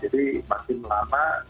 jadi makin lama